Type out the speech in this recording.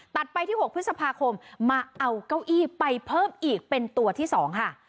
ไปที่๖พฤษภาคมมาเอาเก้าอี้ไปเพิ่มอีกเป็นตัวที่๒ค่ะ